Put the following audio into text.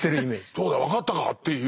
どうだ分かったかっていう。